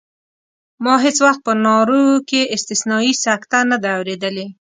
ما هېڅ وخت په نارو کې استثنایي سکته نه ده اورېدلې.